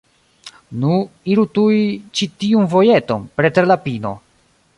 Nu, iru tuj ĉi tiun vojeton, preter la pino.